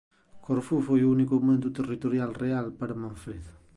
Corfú foi o único aumento territorial real para Manfredo.